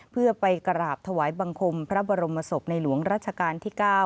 เพื่อไปกราบถวายบังคมพระบรมศพในหลวงรัชกาลที่๙